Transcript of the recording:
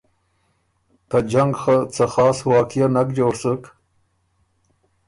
ته جنګ خه څه خاص واقعه نک جوړ سُک